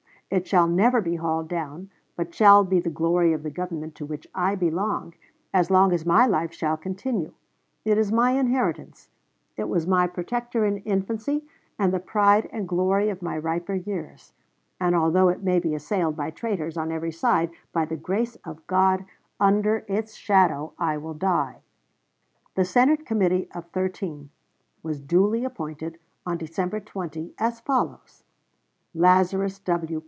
It shall never be hauled down, but shall be the glory of the Government to which I belong, as long as my life shall continue.... It is my inheritance. It was my protector in infancy, and the pride and glory of my riper years; and although it may be assailed by traitors on every side, by the grace of God, under its shadow I will die. Ibid., Dec. 20, 1860, p. 158. The Senate Committee of Thirteen was duly appointed on December 20 as follows: Lazarus W.